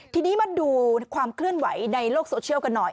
ทีนี้มาดูความเคลื่อนไหวในโลกโซเชียลกันหน่อย